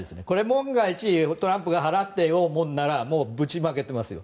万が一、トランプが払っていようものならぶちまけてますよ。